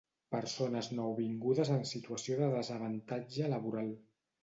Persones nouvingudes en situació de desavantatge laboral.